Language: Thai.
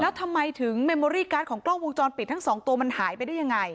แล้วทำไมถึงเมมโอรี่การ์ดของกล้องวงจรปิดทั้งสองตัวมันหายไปได้ยังไง